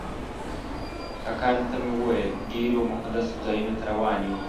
کاکا ته مې وویل ډېرو مقدسو ځایونو ته روان یو.